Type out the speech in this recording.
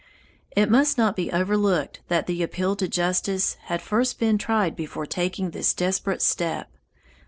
It must not be overlooked that the appeal to justice had first been tried before taking this desperate step.